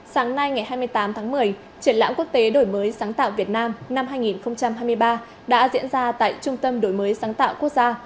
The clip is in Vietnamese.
sáng nay ngày hai mươi tám tháng một mươi triển lãm quốc tế đổi mới sáng tạo việt nam năm hai nghìn hai mươi ba đã diễn ra tại trung tâm đổi mới sáng tạo quốc gia